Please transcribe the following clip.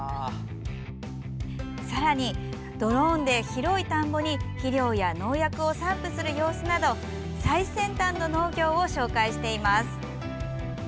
さらに、ドローンで広い田んぼに肥料や農薬を散布する様子など最先端の農業を紹介しています。